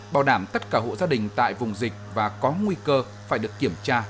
bảo đảm tất cả hộ gia đình tại vùng dịch và có nguy cơ phải được kiểm tra